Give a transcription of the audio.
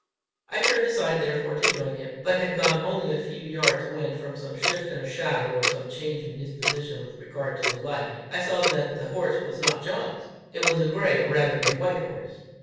I turned aside therefore to join him; but had gone only a few yards when, from some shift in a shadow, or some change in his position with regard to the light, I saw that the horse was not John's; it was a gray, or rather, a white horse.